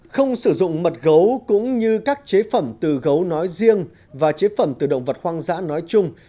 không sử dụng mật gấu cũng như các chế phẩm từ gấu nói riêng và chế phẩm từ động vật hoang dã nói chung